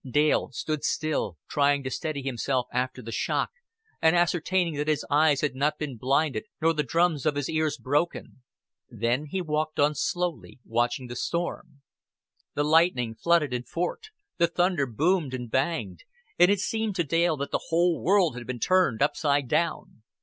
Dale stood still, trying to steady himself after the shock, and ascertaining that his eyes had not been blinded nor the drums of his ears broken. Then he walked on slowly, watching the storm. The lightning flooded and forked, the thunder boomed and banged; and it seemed to Dale that the whole world had been turned upside down.